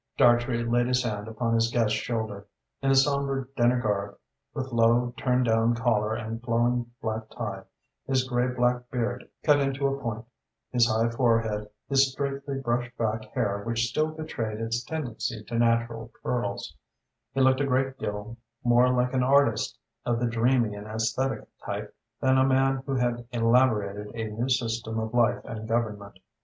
Dartrey laid his hand upon his guest's shoulder. In his sombre dinner garb, with low, turned down collar and flowing black tie, his grey black beard cut to a point, his high forehead, his straightly brushed back hair, which still betrayed its tendency to natural curls, he looked a great deal more like an artist of the dreamy and aesthetic type than a man who had elaborated a new system of life and government.